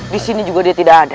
di sini juga dia tidak ada